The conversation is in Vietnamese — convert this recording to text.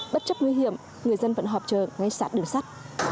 bất chấp nguy hiểm người dân vẫn hộp chợ ngay sát đường sắt